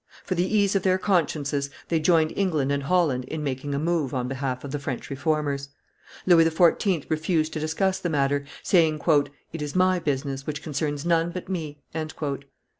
For the ease of their consciences they joined England and Holland in making a move on behalf of the French Reformers. Louis XIV. refused to discuss the matter, saying, "It is my business, which concerns none but me."